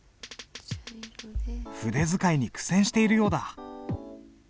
筆使いに苦戦しているようだ。